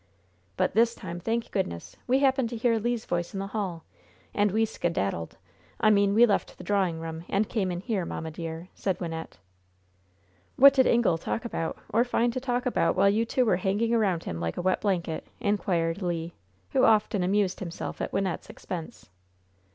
"But this time, thank goodness, we happened to hear Le's voice in the hall, and we skedaddled I mean we left the drawing room and came in here, mamma, dear," said Wynnette. "What did Ingle talk about, or find to talk about, while you two were hanging around him like a wet blanket?" inquired Le, who often amused himself at Wynnette's expense.